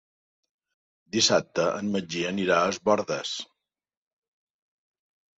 Dissabte en Magí anirà a Es Bòrdes.